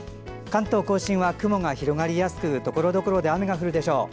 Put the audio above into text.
関東・甲信は雲が広がりやすくところどころで雨が降るでしょう。